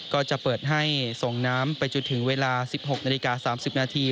ก็จะเปิดให้ส่งน้ำไปจนถึงเวลา๑๖นาฬิกา๓๐นาที